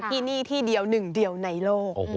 ที่นี่ที่เดียวหนึ่งเดียวในโลก